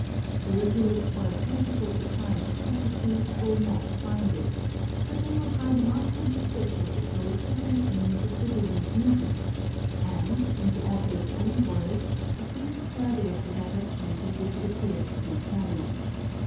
Those who look for a plentiful supply of prophecy will not find it; but they will find a masterly sketch of the sources and aims of the women's movement; and, in the author's own words, a brief survey of the directions in which it appears to be travelling.